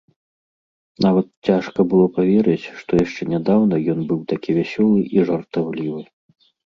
Нават цяжка было паверыць, што яшчэ нядаўна ён быў такі вясёлы і жартаўлівы.